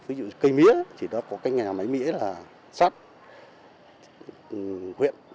ví dụ cây mía thì đó có cái nhà máy mía là sắt huyện